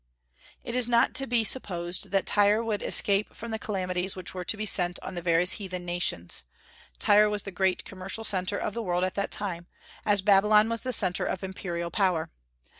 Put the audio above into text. It is not to be supposed that Tyre would escape from the calamities which were to be sent on the various heathen nations. Tyre was the great commercial centre of the world at that time, as Babylon was the centre of imperial power.